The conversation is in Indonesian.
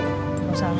belum di starter